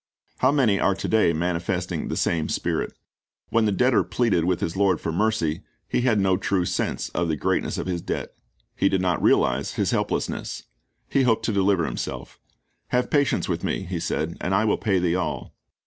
How many are to day manifesting the same spirit. When the debtor pleaded with his lord for mercy, he had no true sense of the greatness of his debt. He did not realize his helplessness. He hoped to deliver himself "Have patience with me," he said, "and I will pay thee all."